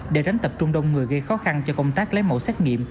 để tránh tập trung đông người gây khó khăn cho công tác lấy mẫu xét nghiệm